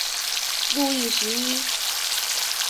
路易十一。